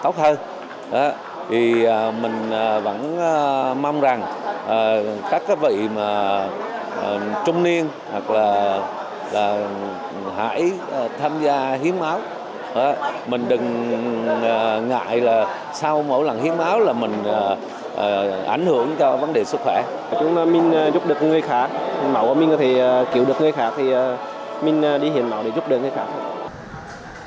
chúng mình giúp được người khác mình có thể cứu được người khác thì mình đi hiến máu để giúp được người khác